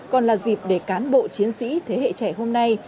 còn là dịp để cán bộ chiến sĩ thế hệ trẻ hôm nay